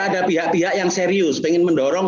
ada pihak pihak yang serius pengen mendorong